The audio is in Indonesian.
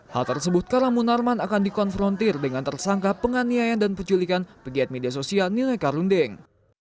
hal tersebut karena munarman akan dikonfrontir dengan tersangka penganiayaan dan penculikan pegiat media sosial ninoi karundeng